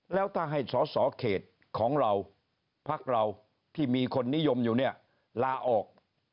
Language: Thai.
แล้วถ้าให้สอสอเขตของเราพักเราที่มีคนนิยมอยู่เนี่ยลาออก